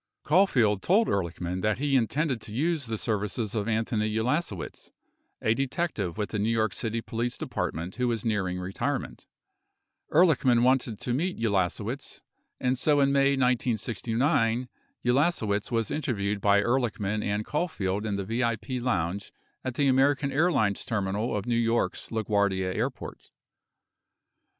Caulfield told Ehrlichman that he intended to use the services of Anthony Ulasewicz, a detective with the New York City Police De partment w'ho was nearing retirement. Ehrlichman wanted to meet Ulasewicz, and so in May 1969 Ulasewicz was interviewed by Ehrlich man and Caulfield in the VIP lounge at the American Airlines termi nal of New York's La Guardia Airport.